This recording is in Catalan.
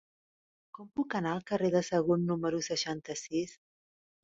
Com puc anar al carrer de Sagunt número seixanta-sis?